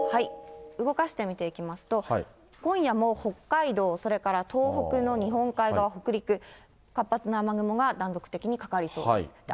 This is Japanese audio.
動かして見ていきますと、今夜も北海道、それから東北の日本海側、北陸、活発な雨雲が断続的にかかりそうです。